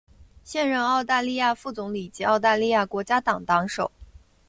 现任澳大利亚副总理及澳大利亚国家党党首。